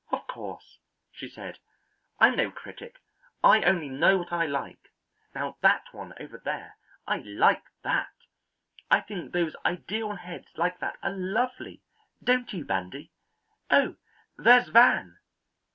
"Of course," she said, "I'm no critic, I only know what I like. Now that one over there, I like that. I think those ideal heads like that are lovely, don't you, Bandy? Oh, there's Van!"